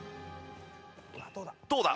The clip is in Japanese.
どうだ？